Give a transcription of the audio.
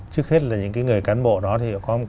trước hết là những cái người cán bộ đó thì có